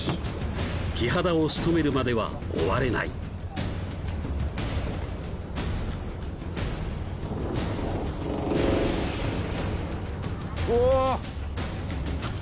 キハダをしとめるまでは終われないうわ